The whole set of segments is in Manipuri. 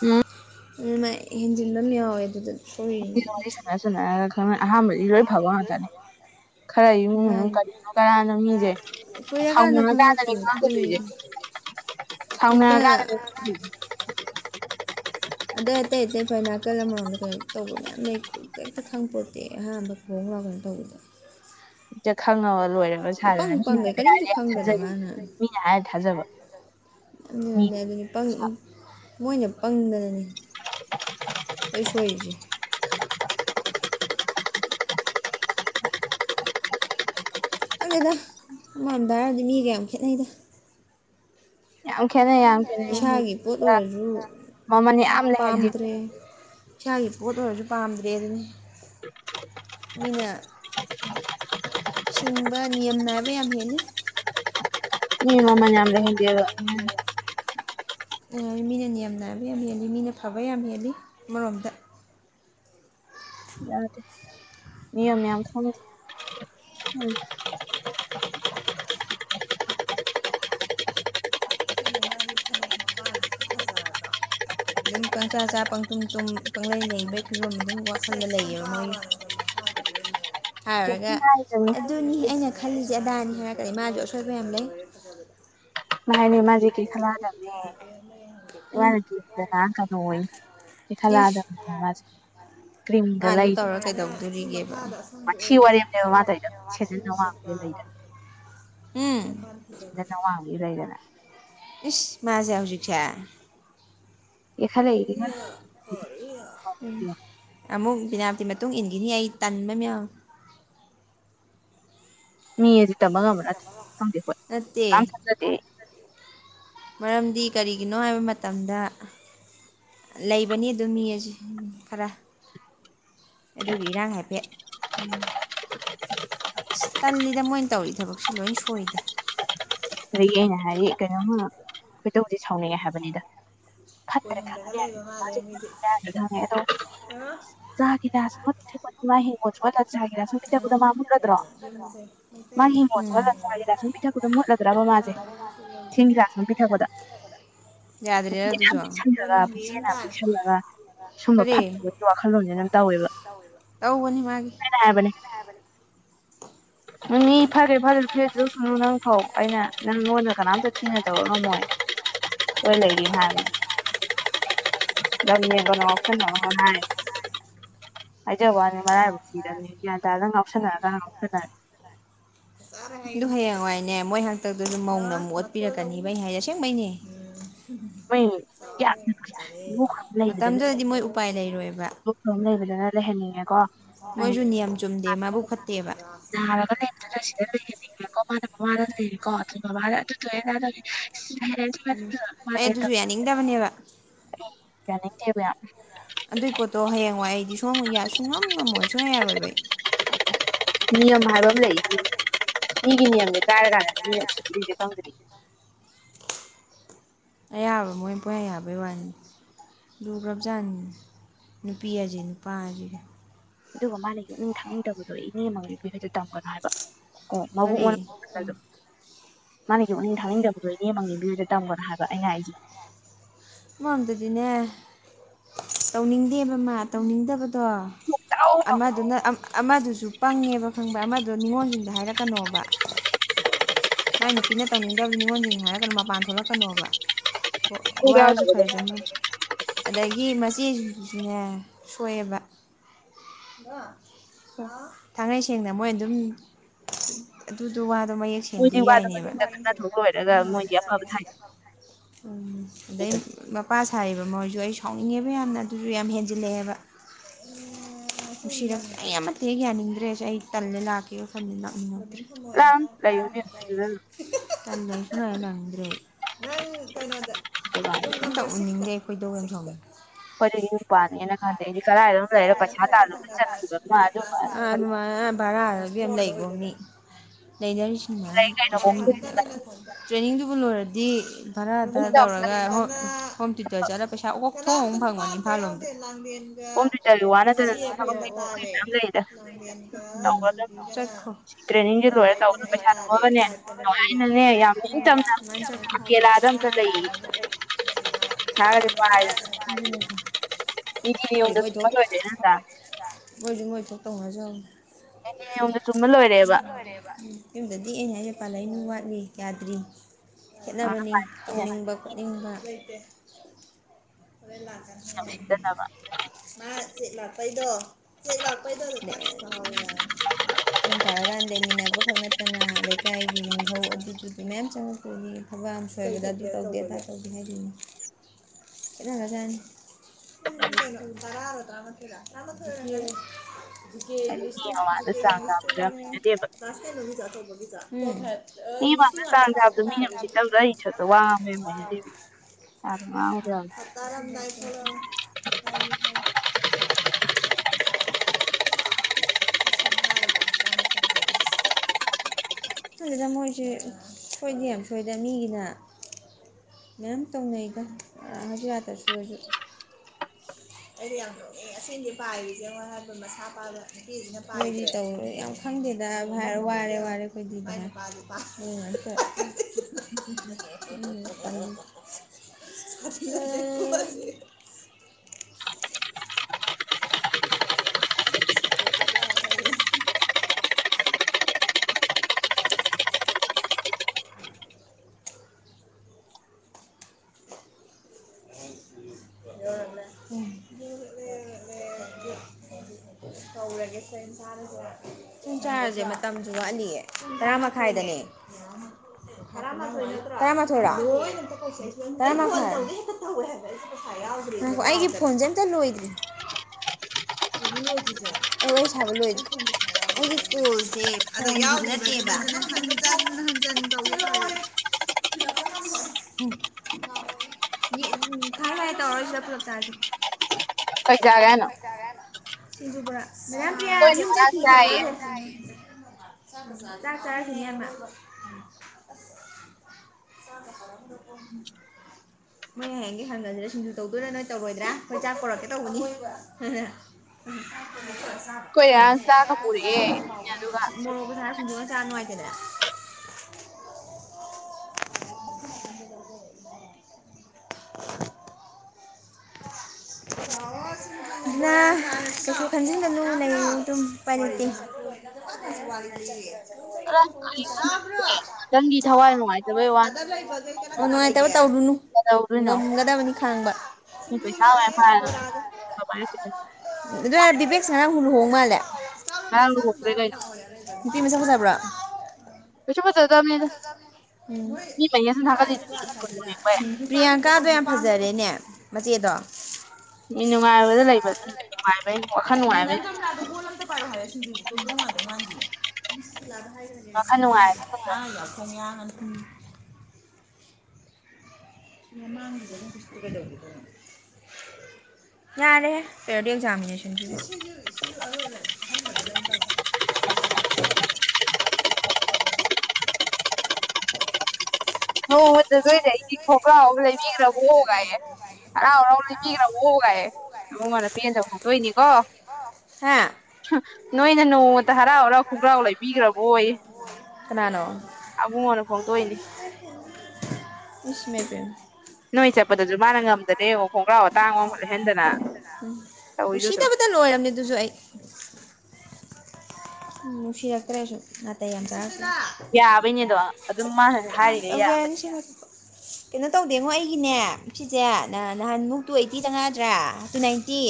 ꯎꯝ ꯅꯅ ꯍꯖꯤꯤꯟꯅ ꯌꯎ ꯌꯦꯗꯨꯗꯨ ꯋꯥꯔꯤ ꯁꯥꯟꯅ ꯁꯨꯅꯔꯒ ꯈꯪꯅ ꯑꯍꯥꯟꯕꯗꯤ ꯂꯣꯏ ꯐꯕ ꯉꯥꯛꯇꯅꯦ ꯈꯔ ꯏꯃꯨꯡ ꯃꯅꯨꯡ ꯀꯔꯤꯅꯣ ꯀꯅꯥꯅꯣ ꯃꯤꯁꯦ ꯁꯥꯎꯅꯔꯀꯥꯟꯗꯅꯦ ꯈꯥꯡꯗꯗꯣꯏꯁꯦ ꯁꯥꯎꯅꯔꯀꯥꯟꯗꯅꯦ ꯦ ꯑꯇꯩ ꯑꯇꯩ ꯑꯇꯩ ꯐꯩ ꯅꯥꯀꯜ ꯑꯃꯔꯝꯗ ꯀꯩꯅꯣ ꯇꯧꯅ ꯀꯨ ꯀ ꯍꯦꯛꯇ ꯈꯪ ꯄꯣꯠꯇꯦ ꯑꯍꯥꯟꯕ ꯈꯣꯡ ꯂꯥꯎ ꯀꯅ ꯇꯧꯕꯗ ꯈꯪꯉꯒ ꯂꯣꯏꯔꯒ ꯁꯥꯗꯅ ꯃꯤꯅ ꯍꯥꯏꯕ ꯍꯥꯏꯔꯦ ꯌꯥꯝ ꯊꯥꯖꯔꯤ ꯃꯤꯅ ꯍꯥꯏꯔꯦ ꯊꯥꯖꯕ ꯃꯣꯏꯅ ꯄꯪꯗꯅꯅꯤ ꯑꯩꯁꯣꯏꯁ ꯑꯗꯨꯗꯦꯗ ꯃꯝꯗ ꯍꯥꯏꯔꯗꯤ ꯃꯤꯒ ꯌꯥꯝ ꯈꯦꯠꯅꯩꯗ ꯏꯁꯥꯒꯤ ꯄꯣꯠ ꯑꯣꯏꯔꯁꯨ ꯄꯥꯝꯗ꯭ꯔꯦ ꯏꯁꯥꯒꯤ ꯄꯣꯠ ꯑꯣꯏꯔꯁꯨ ꯄꯥꯝꯗ꯭ꯔꯦ ꯑꯗꯨꯅꯤ [unintelligible] ꯁꯤꯡꯕ ꯅꯤꯌꯝ ꯅꯥꯏꯕ ꯌꯥꯝ ꯍꯦꯜꯂꯤ ꯃꯤ ꯃꯃ ꯌꯥꯝ ꯂꯩ ꯍꯦꯟꯗꯤꯦꯕ ꯎ ꯃꯤꯅ ꯅꯤꯌꯝ ꯅꯥꯕ ꯌꯥꯝ ꯍꯦꯜꯂꯤ ꯃꯤꯅ ꯐꯕ ꯌꯥꯝ ꯍꯦꯜꯂꯤ ꯑꯃꯔꯣꯝꯗ ꯌꯥꯗꯦ ꯅꯤꯌꯣꯝ ꯌꯥꯝ ꯈꯪꯗ꯭ꯔꯦ ꯎꯝ ꯑꯗꯨꯝ ꯄꯪꯆꯥ ꯆꯥ ꯄꯪꯇꯨꯝ ꯇꯨꯝ ꯄꯪꯪꯂꯩ ꯂꯩꯕꯩ ꯐꯤꯕꯝ ꯑꯗꯨꯝ ꯋꯥꯈꯜꯗ ꯂꯩꯌꯦꯕ ꯃꯣꯏ ꯍꯥꯏꯔꯒ ꯑꯗꯨꯅꯤ ꯑꯩꯅ ꯈꯜꯂꯤꯁ ꯁꯤ ꯑꯗꯥꯅꯤ ꯍꯥꯏꯔꯛꯀꯅꯤ ꯃꯥꯁꯨ ꯑꯁꯣꯏꯕ ꯌꯥꯝ ꯂꯩ ꯃꯥꯏꯅꯤ ꯃꯥꯖꯤ ꯂꯒꯤ ꯆꯦ ꯏꯃꯅ ꯀꯗꯅ ꯀꯩꯅꯣ ꯑꯣꯏ ꯄ ꯈꯂꯥꯗꯕ ꯃꯥꯁꯦ ꯀ꯭ꯔꯤꯝꯒ ꯂꯩꯗꯅ ꯎꯝ ꯏꯁ ꯃꯥꯖꯌꯥ ꯍꯧꯖꯤꯛꯀꯤꯌꯥ ꯏ ꯈ ꯂꯩ ꯄꯕꯤꯅꯥꯞꯇꯤ ꯃꯇꯨꯡ ꯏꯟꯈꯤꯅꯤ ꯑꯩ ꯇꯟꯕ ꯃꯌꯥꯝ ꯃꯤ ꯇꯝꯕ ꯉꯝꯕ ꯅꯠꯇꯦ ꯈꯪꯗꯦ ꯍꯣꯏ ꯌꯥꯝ ꯆꯥꯖꯗꯦ ꯀꯔꯤꯒꯤꯅꯣ ꯍꯥꯏꯕ ꯃꯇꯝꯗ ꯂꯩꯕꯅꯤ ꯑꯗꯨ ꯃꯤꯁ ꯈꯔ ꯑꯗꯨꯒꯤ ꯏꯔꯥꯡ ꯍꯥꯏꯐꯦꯠ ꯎꯝ ꯇꯜꯂꯤꯗ ꯃꯣꯏꯅ ꯇꯧꯔꯤ ꯊꯕꯛꯁꯦ ꯂꯣꯏ ꯁꯣꯏꯗ ꯑꯗꯒꯤ ꯑꯩꯅ ꯍꯥꯏꯔꯤ ꯀꯩꯅꯣꯝꯃ ꯑꯩꯣꯏꯗꯧꯁꯦ ꯁꯥꯎꯅꯤꯡꯉꯦ ꯍꯥꯏꯕꯅꯤꯗ ꯀꯅꯝꯗ ꯍꯜ ꯂꯩꯕ ꯃꯥꯔ ꯑ ꯏꯗꯤ ꯎ ꯑꯗꯨꯁ ꯎ ꯆꯕ ꯃꯥꯁꯦ ꯒꯔꯥꯁ ꯑꯃ ꯄꯤꯊꯛꯄꯗ ꯄꯁꯜꯂꯒ ꯄꯨꯛꯆꯦꯅꯥ ꯄꯁꯜꯂꯒ ꯁꯨꯝꯕ ꯐꯠꯇꯕꯒꯤ ꯋꯥꯈꯜꯂꯣꯟꯁ ꯑꯗꯨꯝ ꯇꯧꯋꯦꯕ ꯁꯅ ꯍꯥꯏꯔꯕꯅꯦ ꯅꯪ ꯏ ꯐꯥꯦꯠ ꯐꯥꯦꯠ ꯐ꯭ꯂꯦꯠꯖꯁꯨꯅꯨ ꯅꯪꯊꯧꯣ ꯅꯪ ꯅꯣꯟꯗ ꯀꯅꯥꯝꯇ ꯆꯤꯍꯗꯧꯔ ꯉꯝꯃꯣꯏ ꯂꯣꯏ ꯂꯩꯔꯤ ꯍꯥꯏꯅ ꯅꯅꯦꯕ ꯉꯥꯎꯁꯟꯅꯔꯒꯦ ꯍꯥꯏꯖꯕ ꯋꯥꯅꯤ ꯃꯔꯥꯏꯕꯛ ꯄꯤꯔꯅꯤ ꯒ꯭ꯌꯥꯟ ꯇꯥꯗꯪ ꯉꯥꯎꯁꯟꯅꯔꯒ ꯉꯥꯎꯁꯟꯅꯔꯦ ꯑꯗꯨ ꯍꯌꯦꯡꯋꯥꯏꯅꯦ ꯃꯣꯏ ꯍꯥꯛꯇꯛꯇꯁꯨ ꯃꯧꯅ ꯑꯃꯨꯛ ꯑꯣꯠꯄꯤꯔꯛꯀꯅꯤꯕꯩ ꯍꯥꯏꯗꯤꯦ ꯑꯁꯦꯡꯕꯩꯅꯦ ꯃꯇꯝꯗꯨꯗꯗꯤ ꯃꯣꯏ ꯎꯄꯥꯏ ꯂꯩꯔꯣꯏꯕ ꯂꯩꯕꯗꯅ ꯂꯩꯍꯟꯅꯤꯡꯉꯦꯀꯣ ꯃꯣꯏꯁꯨ ꯅꯤꯌꯝ ꯆꯨꯝꯗꯦ ꯃꯥꯕꯨ ꯐꯠꯇꯦꯕ ꯂꯩꯅꯤꯡꯉꯦꯀꯣ ꯃꯥꯅ ꯃꯃꯥꯗ ꯂꯩꯔꯦꯀꯣ ꯑꯗꯨ ꯃꯃꯥ ꯑꯗꯨꯦꯗ ꯄꯦꯔꯦꯟꯁ ꯃ ꯃ ꯌꯥꯕ ꯎ ꯑꯗꯣ ꯍꯌꯦꯡꯋꯥꯏ ꯑꯩꯗꯤ ꯁ ꯁꯨꯡꯉꯝ ꯉꯝꯃꯣꯏ ꯁꯨꯡꯌꯥ ꯌꯥꯔꯣꯏꯕꯩ ꯍꯒ ꯏꯅꯤꯌꯥ꯭ꯔꯦ ꯀꯥꯏꯒ ꯃꯤꯦ ꯀꯪꯔꯤ ꯑꯌꯥꯕ ꯃꯣꯏ ꯄꯣꯏꯌꯥ ꯌꯥꯕꯩ ꯋꯥꯅꯤ ꯂꯨ ꯀ꯭ꯔꯕꯖꯥꯅꯤ ꯅꯨꯄꯤ ꯍꯥꯏꯁꯤ ꯅꯨꯄꯥ ꯍꯥꯏꯁꯤ ꯑꯗꯨꯒ ꯃꯥꯅ ꯌꯣꯛꯅꯤꯡ ꯊꯥꯛꯅꯤꯡꯗꯕꯗꯣ ꯏꯅꯦ ꯑꯃꯕꯤꯍꯣꯏꯗ ꯇꯝꯒꯅꯣ ꯍꯥꯏꯕ ꯀ ꯃꯕꯨ ꯑꯣꯟꯅ ꯃꯥꯥꯟꯒꯤ ꯑꯣꯅꯦꯅ ꯊꯥꯛꯅꯤꯡꯖꯕ꯭ꯔꯣꯏꯅꯦꯥꯡ ꯂꯩꯕꯤ ꯇꯝꯒꯅꯣ ꯍꯥꯏꯕ ꯑꯩꯩꯅ ꯑꯩꯁ ꯃꯝꯗꯗꯤꯅꯦ ꯇꯧꯅꯤꯡꯗꯦꯕ ꯃꯥ ꯇꯧꯅꯤꯡꯗꯕ ꯑꯃꯗꯨꯅ ꯑꯃꯗꯨꯁꯨ ꯄꯪꯉꯦꯕ ꯈꯪꯕ ꯑꯃꯗꯣ ꯅꯤꯉꯣꯜꯁꯤꯡꯗ ꯍꯥꯏꯔꯛꯀꯅꯣꯕ ꯃꯥꯏ ꯅꯨꯄꯤꯅ ꯇꯧꯅꯤꯡꯗꯕꯗꯤ ꯅꯤꯉꯣꯜꯁꯤꯡꯅ ꯍꯥꯏꯔꯒꯅ ꯃꯄꯥꯟ ꯊꯣꯛꯂꯛꯀꯅꯣꯕ ꯋꯥꯔꯁꯨ ꯐꯁꯨꯅ ꯑꯗꯒꯤ ꯃꯆꯦ ꯏꯖꯤꯅꯦ ꯁꯑꯕ [unintelligible] ꯁꯦꯡꯅ ꯃꯣꯏ ꯑꯗꯨꯝ ꯑꯗꯨꯗꯣ ꯋꯥꯗꯣ ꯃꯩ ꯊꯦꯡꯕꯤ ꯌꯥꯏꯅꯦꯕ ꯎꯝ ꯑꯗꯩ ꯃꯄꯥ ꯁꯥꯔꯤꯕ ꯃꯣꯏꯁꯨ ꯑꯗꯨꯨ ꯑꯩ ꯁꯥꯎꯅꯤꯡꯉꯦꯕ ꯌꯥꯝꯅ ꯑꯗꯨꯁꯨ ꯌꯥꯝ ꯍꯦꯟꯖꯜꯂꯛꯑꯦꯕ ꯅꯨꯡꯁꯤꯔ ꯑꯩ ꯑꯃꯠꯇ ꯍꯦꯛ ꯌꯥꯅꯤꯡꯗ꯭ꯔꯦꯁꯦ ꯑꯩ ꯇꯜꯂꯦ ꯂꯥꯛꯀꯦ ꯋꯥꯈꯜꯁꯦ ꯅꯛꯅꯤꯡꯉꯕ ꯑꯗꯨꯔ ꯈꯉꯣꯦꯅꯀ ꯁ ꯂꯥꯡꯗ꯭ꯔꯦ ꯇꯧꯅꯤꯡꯗꯦ ꯈꯣꯏꯗꯧ ꯑ ꯊꯪ ꯀꯣꯏꯗꯤꯨ ꯄꯥꯅꯤꯅ ꯀꯥꯟꯗ ꯑꯩꯗꯤ ꯀꯗꯥꯥꯏꯗꯣꯅ ꯂꯩꯔ ꯄꯩꯁꯥ ꯇꯥꯅꯅ ꯆꯠꯈ꯭ꯔꯤꯕꯅꯣ ꯃꯥꯗ ꯃꯥꯅꯣ ꯈꯜꯂ ꯌꯥꯝ ꯂꯩꯅꯤꯔꯤꯁꯤ ꯎ ꯇ꯭ꯔꯦꯅꯤꯡꯗꯨꯕꯨ ꯂꯣꯏꯔꯗꯤ ꯈꯔ ꯈꯔ ꯇꯧꯔꯒ ꯍꯣꯝ ꯊꯤꯨꯇꯔ ꯆꯠꯂꯒ ꯄꯩꯁꯥ ꯑꯣ [unintelligible] ꯔꯦ [unintelligible] ꯃꯣꯏꯔꯤ ꯃꯣꯏꯗꯣꯛ ꯃꯣꯏꯔꯤ ꯃꯣꯏꯊꯣꯛ ꯇꯣꯡꯁꯨ ꯑꯩꯗꯤ ꯌꯨꯝꯗ ꯆꯨꯝꯕ ꯂꯣꯏꯔꯑꯦꯕ ꯌꯨꯝꯗꯗꯤ ꯑꯩꯅ ꯍꯥꯏꯖ ꯄꯥꯂꯅꯤꯡ ꯋꯥꯠꯂꯤ ꯌꯥꯗ꯭ꯔꯤ ꯈꯦꯠꯅꯕꯅꯤ ꯇꯧꯅꯤꯡꯕ ꯈꯣꯠꯅꯤꯡꯕ [inaudible] ꯍꯣꯔꯦꯟ ꯂꯥꯛꯀ ꯃꯥ ꯆꯦꯠ ꯂꯥꯛꯄꯩꯗꯣ ꯆꯦꯛ ꯂꯥꯛꯄꯩꯗꯣ ꯑꯗꯨꯅꯦꯥꯎ ꯌꯥ ꯎ ꯐꯥꯔꯀꯥꯟ ꯂꯩꯃꯤꯟꯅꯕ ꯈꯪꯅ ꯇꯅ ꯂꯩꯀꯥꯏꯒꯤ ꯅꯤꯡꯍꯧ ꯑꯗꯨꯗꯨꯗꯤ ꯃꯌꯥꯝ ꯆꯪꯉꯛꯄꯒꯤ ꯊꯕꯛ ꯑꯃ ꯁꯣꯏꯕꯗ ꯑꯗꯨ ꯇꯧꯗꯦ ꯑꯗꯥ ꯇꯧꯗꯦ ꯍꯥꯏꯗꯣꯏꯅꯤ ꯀꯅꯥꯖꯥꯅꯤ ꯖꯤꯀꯦ ꯏꯪꯂꯤꯁꯇꯨ ꯖꯤꯀꯦ ꯏꯪꯂꯤꯁꯇꯨ ꯒꯅꯦ ꯀ꯭ꯂꯥꯁ ꯀꯌꯥꯅꯣ ꯇꯧꯕꯒꯤꯗ ꯐ‌ꯣꯔ ꯐꯥꯏꯞ ꯑꯇꯥꯔꯝꯗꯥꯏ ꯊ‌ꯣꯛꯂꯛ ꯑꯒ‌ꯦ ꯑꯗꯨꯗ ꯃꯣꯏꯁꯦ ꯁꯣꯏꯗꯦ ꯌꯥꯝ ꯁꯣꯏꯗꯅ ꯃꯤꯒꯤꯅ ꯃꯌꯥꯝ ꯇꯧꯅꯩꯗ ꯍꯖꯤꯔꯥꯇ ꯁꯨꯨꯔꯁꯨ ꯑꯩꯗꯤ ꯌꯥꯝ ꯅꯣꯛꯉ ꯑꯗꯤ ꯄꯥꯏꯔꯤꯁꯦ ꯋꯥ ꯍꯥꯏꯕ ꯃꯁꯥ ꯄꯥꯕ ꯅꯨꯄꯤꯁꯤꯅ ꯄꯥꯏꯗꯤ ꯇꯧꯔ ꯌꯥꯝ ꯈꯪꯗꯦꯗ ꯋꯥꯔꯦ ꯋꯥꯔꯦ ꯑꯩꯈꯣꯏ ꯗꯤ ꯅꯨ ꯁꯄꯣꯇꯤ ꯁꯨꯛ ꯋ꯭ꯠ ꯋꯥꯠꯇꯦ [unintelligible] ꯆꯦꯟ ꯆꯥꯔꯁꯦ ꯃꯇꯝꯁꯨ ꯋꯥꯠꯂꯤꯌꯦ ꯇꯔꯥꯃꯥꯏꯗꯅꯦ ꯇꯔꯥꯃꯥꯊꯣꯏꯔꯥ ꯇꯔꯥꯃꯥꯏ ꯑꯩꯒꯤ ꯐꯣꯟꯁꯦ ꯑꯝꯇ ꯂꯣꯏꯗ꯭ꯔꯤ ꯑꯩ ꯋꯥꯔꯤ ꯁꯥꯕ ꯂꯣꯏꯗꯦ ꯑꯩꯒꯤ ꯀꯣꯜꯁꯦ ꯑꯕ ꯅꯠꯇꯦꯕ ꯈꯥꯏ ꯈꯥꯏ ꯇꯧꯔꯁꯤꯗ ꯄꯨꯂꯞ ꯆꯁꯤꯦ ꯀꯩ ꯆꯥꯒꯦ ꯍꯥꯏꯅꯣ ꯁꯤꯡꯖꯨ ꯕꯣꯔ ꯙꯅꯄꯤꯌꯥ ꯌꯨꯝ ꯆꯠꯈꯤ [unintelligible] ꯆꯥꯛ ꯆꯥꯔꯁꯤꯅꯦꯃ ꯃꯣꯏ ꯍꯌꯦꯡꯒꯤ ꯍꯪꯒꯁꯤꯗ ꯁꯤꯡꯖꯨ ꯇꯧꯗꯣꯏꯔꯥ ꯅꯣꯏ ꯇꯧꯔꯣꯏꯗ꯭ꯔꯥ ꯅꯈꯣꯏ ꯆꯥꯛ ꯄꯨꯔꯛꯀꯦ ꯇꯧꯕꯅꯤ ꯎꯝ ꯃꯑꯣ ꯀꯊꯥ ꯁꯤꯕ ꯆꯥꯥꯏ ꯀꯅ ꯅ ꯀꯩꯁꯨ ꯈꯟꯖꯤꯟꯒꯅꯨ ꯂꯩ ꯑꯗꯨꯝ ꯄꯥꯏꯔꯠꯇꯦ ꯈ ꯃꯊꯪꯒꯤ ꯊꯋꯥꯏ ꯅꯨꯡꯉꯥꯏꯇꯕꯩ ꯋꯥꯅꯤꯣ ꯀꯗꯧꯗꯣꯏꯅꯣ ꯈꯥꯡꯕ ꯍ ꯀꯩꯁ ꯍ ꯆꯍꯔꯝꯗꯩ ꯆꯔꯝꯅꯔ ꯍꯥꯏꯅꯉꯋꯥ ꯌꯥ ꯂꯩ ꯄꯃꯤꯁ ꯐꯖꯥꯕ꯭ꯔꯣ ꯇꯁꯨ ꯀ ꯆꯦ ꯄ꯭ꯔꯤꯌꯥꯡꯀꯥꯗꯣ ꯌꯥꯝ ꯐꯖꯔꯦꯅꯦ ꯃꯆꯦꯗꯣ ꯃꯤ ꯅꯨꯡꯉꯥꯏꯕꯗ ꯂꯩꯕ ꯑꯗꯨꯅꯨꯡꯉꯥꯏ ꯃꯝꯗ ꯀꯣꯂꯂꯝ ꯄꯥꯏ ꯍꯥꯏ ꯁ ꯇꯕꯨ ꯅꯃꯗ ꯅꯨꯡꯦ ꯎꯝ [unintelligible] ꯌꯥꯔꯦꯍꯦ ꯄꯦꯔꯣꯗꯤ ꯑꯦꯛꯖꯥꯃꯤꯅꯦꯁꯟ ꯅꯣꯡꯃꯇ ꯅꯣꯏꯅꯦ ꯑꯩꯗꯤ ꯈꯣꯡꯒ꯭ꯔꯥꯎꯕ ꯂꯩꯕꯤꯈ꯭ꯔꯕꯣ ꯑꯣ ꯀꯥꯏꯌꯦ ꯍꯔꯥꯎ ꯍꯔꯥꯎ ꯂꯩꯕꯤꯈ꯭ꯔꯕꯣ ꯀꯥꯏꯌꯦ ꯏꯕꯨꯡꯉꯗ ꯄꯦꯟꯗꯕ ꯐꯣꯡꯗꯣꯏꯅꯤꯀꯣ ꯅꯣꯏꯅ ꯅꯣꯡꯃꯇ ꯍꯔꯥꯎ ꯍꯔꯥꯎ ꯈꯣꯡꯒ꯭ꯔꯥꯎ ꯂꯩꯕꯤꯈ꯭ꯔꯕꯣꯌꯦ ꯑꯕꯨꯡꯉꯣꯅ ꯐꯣꯡꯗꯣꯛꯏꯅꯦ ꯎꯁ ꯏꯃꯣꯏ ꯄꯦꯝꯃ ꯅꯣꯏ ꯆꯠꯄꯗꯁꯨ ꯃꯥꯅ ꯉꯝꯗꯅꯦ ꯌꯦꯡꯉꯣ ꯈꯣꯡꯒ꯭ꯔꯥꯎ ꯑꯇꯥꯡꯕꯒ ꯂꯩꯍꯟꯗꯅ ꯇꯧꯋꯤꯗꯣ ꯎꯗꯔꯣ ꯎ ꯅꯨꯡꯁꯤꯔꯛꯇ꯭ꯔꯁꯨ ꯅꯥꯇꯩ ꯌꯥꯝ ꯆꯥꯔ ꯌꯥꯕꯩꯅꯦꯗꯣ ꯑꯗꯨꯝ ꯃꯥꯅ ꯍꯥꯏꯔꯤ ꯕꯚꯅꯤꯁꯤꯍꯔ ꯀꯩꯅꯣ ꯇꯧꯗꯦꯉꯣ ꯑꯩꯒꯤꯅꯦ ꯁꯤꯁꯦ ꯅꯍꯥꯟꯃꯨꯛ ꯇꯨ ꯑꯩꯠꯇꯤ ꯆꯪꯉꯛꯑꯗ꯭ꯔꯥ ꯇꯨ ꯅꯥꯏꯟꯇꯤ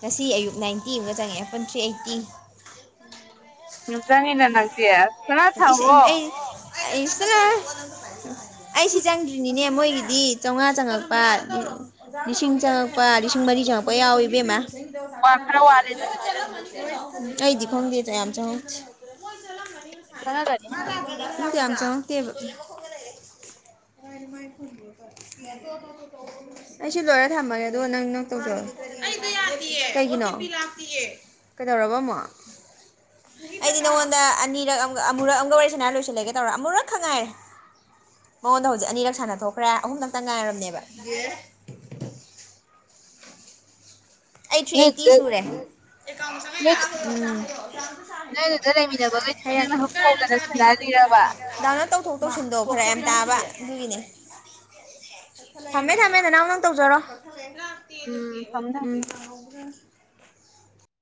ꯉꯁꯤ ꯑꯌꯨꯛ ꯅꯥꯏꯟꯇꯤ ꯑꯃꯨꯛꯀ ꯆꯪꯉꯛꯑꯦ ꯄꯨꯟꯅ ꯊ꯭ꯔꯤ ꯑꯩꯠꯇꯤ ꯇꯤ ꯀꯅꯥ ꯊꯕꯣ ꯑꯦ ꯏꯁꯇꯅ ꯑꯩꯁꯤ ꯆꯪꯗ꯭ꯔꯤꯅꯤꯅꯦ ꯃꯣꯏꯒꯤꯗꯤ ꯆꯧꯉꯥ ꯆꯪꯉꯛꯄ ꯂꯤꯁꯤꯡ ꯆꯪꯉꯛꯄ ꯂꯤꯁꯤꯡ ꯃꯔꯤ ꯆꯪꯉꯛꯄ ꯌꯥꯎꯋꯤ ꯏꯕꯦꯝꯃ [unintelligible] ꯑꯩꯗꯤ ꯈꯪꯗꯦ ꯇ ꯌꯥꯝ ꯆꯪꯍꯧꯗꯦ ꯁꯂ ꯇꯔꯤꯍꯦ ꯌꯥꯝ ꯆꯪꯂꯛꯇꯦꯕ ꯑꯩꯁꯨ ꯂꯣꯏꯔ ꯊꯝꯃꯒꯦ ꯑꯗꯣ ꯅꯪ ꯅꯪ ꯇꯧꯖꯔꯣ ꯀꯩꯒꯤꯅꯣ ꯀꯩꯗꯧꯔꯕ ꯑꯨꯛ ꯑꯩꯗꯤ ꯅꯪꯉꯣꯟꯗ ꯑꯅꯤꯔꯛ ꯑꯃ ꯑꯃꯨꯔꯛ ꯑꯃꯒ ꯋꯥꯔꯤ ꯁꯅꯔ ꯂꯣꯏꯁꯤꯜꯂꯒꯦ ꯇꯧꯔꯥ ꯑꯃꯨꯔꯛ ꯈꯛ ꯉꯥꯏꯔꯦ ꯅꯉꯣꯟꯗ ꯍꯧꯖꯤꯛ ꯍꯧꯖꯤꯛ ꯑꯅꯤꯔꯛ ꯁꯥꯟꯅ ꯊꯣꯛꯈ꯭ꯔꯦ ꯑꯍꯨꯝꯂꯛ ꯈꯛꯇ ꯉꯥꯏꯔꯕꯅꯦꯕ ꯑꯩ ꯊ꯭ꯔꯤ ꯑꯩꯠꯇꯤ ꯁꯨꯔꯦ ꯎꯝ ꯍꯥꯏꯔꯛꯀꯦ ꯗꯥꯎꯟꯂꯣꯗ ꯇꯧꯊꯣꯛ ꯇꯧꯁꯤꯟꯗꯣ ꯐꯔꯛ ꯌꯥꯝ ꯇꯥꯕ ꯑꯗꯨꯒꯤꯅꯦ ꯊꯝꯃꯦ ꯊꯝꯃꯦ ꯅꯅꯥꯎ ꯅꯪ ꯇꯧꯖꯔꯣ ꯎꯝ ꯊꯝꯃꯦ ꯊꯝꯃꯦ [unintelligible]